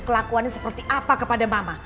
kelakuannya seperti apa kepada mama